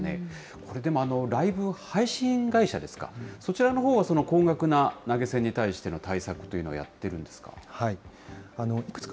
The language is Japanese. これ、でもライブ配信会社ですか、そちらのほうは、高額な投げ銭に対しての対策というのはやっているんですか？